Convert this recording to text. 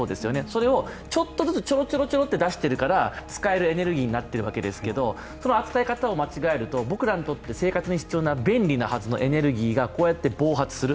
それをちょっとずつちょろちょろっと出しているから使えるエネルギーになっているんですけどその扱い方を間違えると、僕らにとって生活に必要な便利なはずのエネルギーがこうやって暴発する。